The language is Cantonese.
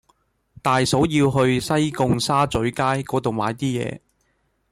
大嫂要去西貢沙咀街嗰度買啲嘢